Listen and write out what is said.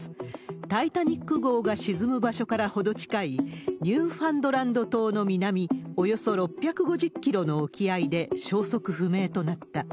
タイタニック号が沈む場所から程近いニューファンドランド島の南、およそ６５０キロの沖合で消息不明となった。